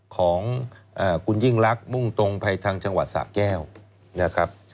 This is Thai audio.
ของคุณยิ่งลักษณ์มุ่งตรงไปทางจังหวัดสะแก้วนะครับ